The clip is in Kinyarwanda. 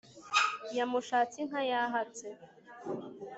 yamushatse inka yahatse,